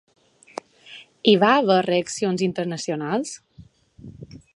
Hi va haver reaccions internacionals?